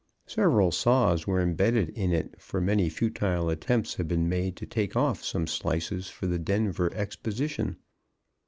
Several saws were imbedded in it, for many futile attempts had been made to take off some slices for the Denver Exposition.